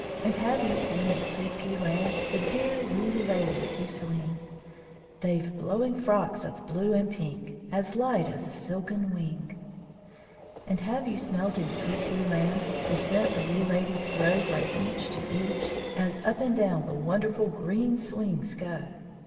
And have you seen in Sweet pea Land The dear wee ladies who swing? They've blowing frocks of blue and pink As light as a silken wing. And have you smelt in Sweet pea Land The scent the wee ladies throw From each to each, as up and down The wonderful green swings go?